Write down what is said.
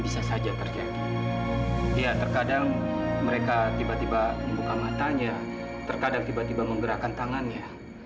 sampai jumpa di video selanjutnya